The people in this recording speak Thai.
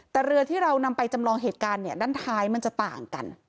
แต่เรือที่เรานำไปจำลองเหตุการณ์เนี่ยด้านท้ายมันจะต่างกัน